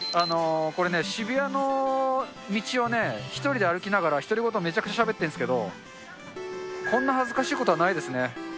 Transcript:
これね、渋谷の道をね、１人で歩きながら独り言めちゃくちゃしゃべってるんですけど、こんな恥ずかしいことはないですね。